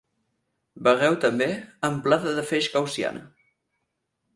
Vegeu també: amplada de feix gaussiana.